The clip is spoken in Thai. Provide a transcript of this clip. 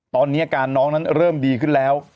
ตอนนี้อาการน้องนั้นเริ่มดีขึ้นแล้ว